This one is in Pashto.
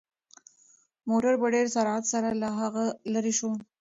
موټر په ډېر سرعت سره له هغه لرې شو.